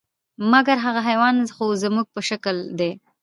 مګر هغه حیوان خو زموږ په شکل دی .